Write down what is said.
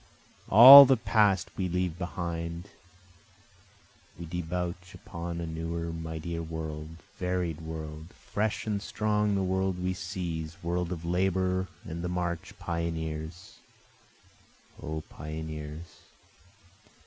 All the past we leave behind, We debouch upon a newer mightier world, varied world, Fresh and strong the world we seize, world of labor and the march, Pioneers! O pioneers!